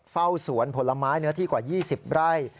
เฝ้าสวนผลไม้เนื้อที่กว่า๒๐ไร่